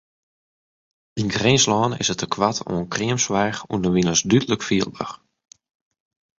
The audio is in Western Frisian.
Yn Grinslân is it tekoart oan kreamsoarch ûnderwilens dúdlik fielber.